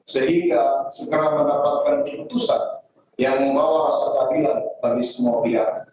sehingga segera mendapatkan keputusan yang membawa rasa keadilan bagi semua pihak